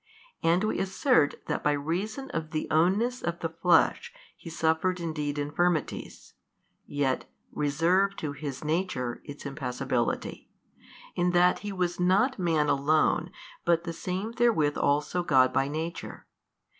And we assert that by reason of the ownness of the flesh He suffered indeed infirmities, yet reserved to His Nature its impassibility, in that He was not Man alone but the Same therewith also God by Nature.